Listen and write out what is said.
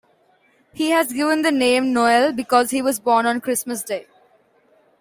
He was given the nickname "Noel" because he was born on Christmas Day.